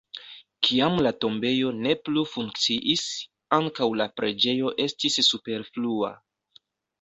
Kiam la tombejo ne plu funkciis, ankaŭ la preĝejo estis superflua.